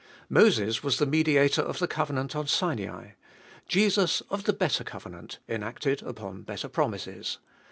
Moses was the mediator of the covenant on Sinai ; Jesus, of the better covenant, enacted upon better promises.